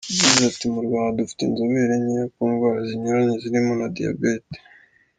Yagize ati” Mu Rwanda dufite inzobere nkeya ku ndwara zinyuranye zirimo na diyabete.